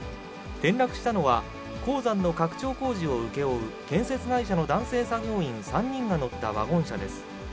転落したのは、鉱山の拡張工事を請け負う建設会社の男性作業員３人が乗ったワゴン車です。